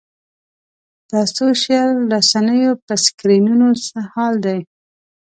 دا سوشل رسنیو په سکرینونو څه حال دی.